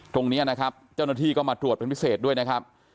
ตรงนี้นะครับเจ้าหน้าที่ก็มาตรวจเป็นพิเศษด้วยนะครับ